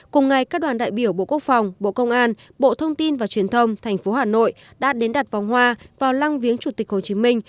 cùng ngày các đoàn đại biểu bộ quốc phòng bộ công an bộ thông tin và truyền thông thành phố hà nội đã đến đặt vòng hoa vào lăng viếng chủ tịch hồ chí minh